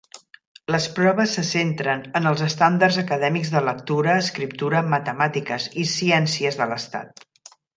Les proves se centren en els estàndards acadèmics de lectura, escriptura, matemàtiques i ciències de l'Estat.